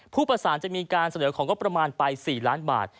ผู้ประสานจะมีการเสนอของงบประมาณไป๔ล้านบาท